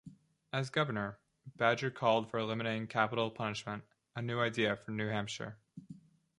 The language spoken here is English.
As Governor, Badger called for eliminating capital punishment, a new idea for New Hampshire.